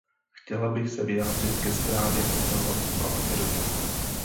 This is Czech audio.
Chtěla bych se vyjádřit ke zprávě o Chorvatsku a Makedonii.